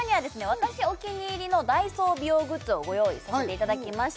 私お気に入りのＤＡＩＳＯ美容グッズをご用意させていただきました